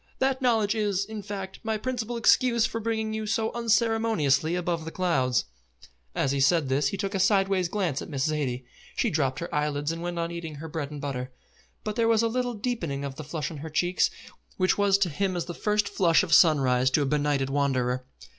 That knowledge is, in fact, my principal excuse for bringing you so unceremoniously above the clouds." As he said this he took a sideway glance at Miss Zaidie. She dropped her eyelids and went on eating her bread and butter; but there was a little deepening of the flush on her cheeks which was to him as the first flush of sunrise to a benighted wanderer.